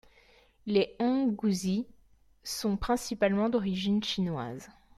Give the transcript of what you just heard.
Les honghuzi sont principalement d'origine chinoise.